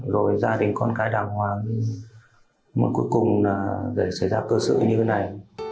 rồi gia đình con cái đàng hoàng mà cuối cùng xảy ra cơ sự như thế này